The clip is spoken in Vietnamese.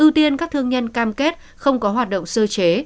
ưu tiên các thương nhân cam kết không có hoạt động sơ chế